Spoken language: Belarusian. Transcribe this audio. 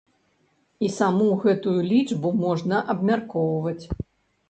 І саму гэтую лічбу можна абмяркоўваць.